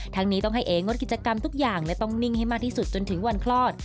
นี้ต้องให้เองดกิจกรรมทุกอย่างและต้องนิ่งให้มากที่สุดจนถึงวันคลอด